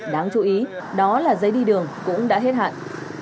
đáng chú ý đó là giấy đi đường cũng đã hết hạn